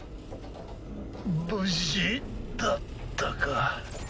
無事だったか？